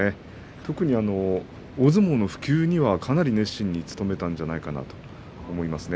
特に大相撲の普及にはかなり熱心に努めたんじゃないかなと思いますね。